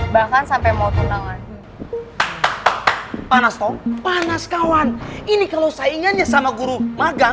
bahkan sampe mau tunangan